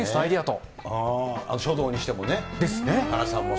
書道にしてもね。ですね。